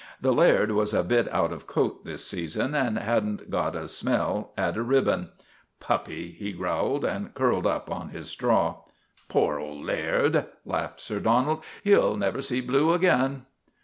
The Laird was a bit out of coat this season, and had n't got a smell at a ribbon. " Puppy !' he growled, and curled up on his straw. " Poor old Laird !" laughed Sir Donald. " He '11 never see blue again."